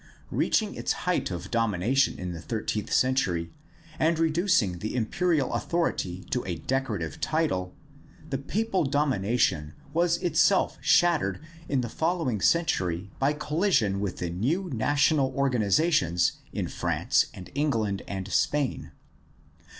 Reaching its height of domination in the thirteenth century and reducing the imperial authority to a decorative title, the papal domination was itself shattered in the following century by collision with the new national organizations in France and England and Spain.